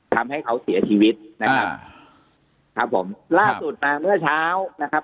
ทำให้เขาเสียชีวิตนะครับครับผมล่าสุดมาเมื่อเช้านะครับ